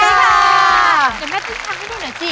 เดี๋ยวแม่พี่ช้างให้ดูหน่อยสิ